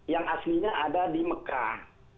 yang aslinya ada di mekah